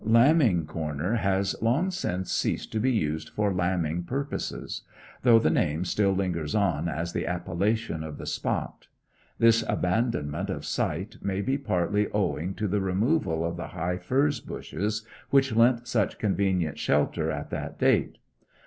Lambing Corner has long since ceased to be used for lambing purposes, though the name still lingers on as the appellation of the spot. This abandonment of site may be partly owing to the removal of the high furze bushes which lent such convenient shelter at that date.